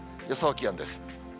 予想気温です。